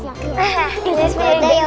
kalian harusnya merakin kayak gitu